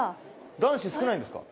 男子少ないんですか？